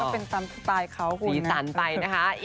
ก็เป็นสันสไตล์เขาคุณนะสีสันไปนะคะ